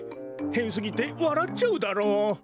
へんすぎてわらっちゃうダロ。